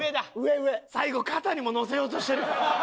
最後肩にものせようとしてる。